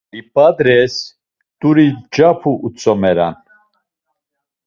Lip̌ardes “mt̆uri mç̌apu” utzoleman.